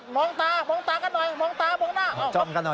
มองตากันหน่อยมองตามองหน้า